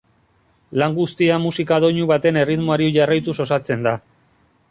Lan guztia musika doinu baten erritmoari jarraituz osatzen da.